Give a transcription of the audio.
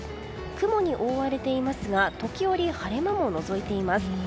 雲に覆われていますが時折、晴れ間ものぞいています。